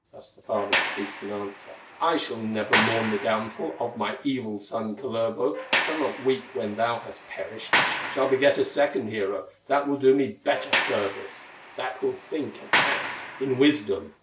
Thus the father speaks in answer: "I shall never mourn the downfall Of my evil son, Kullervo; Shall not weep when thou hast perished; Shall beget a second hero That will do me better service, That will think and act in wisdom."